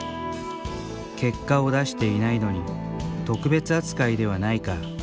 「結果を出していないのに特別扱いではないか」。